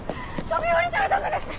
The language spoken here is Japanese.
飛び降りたらダメです！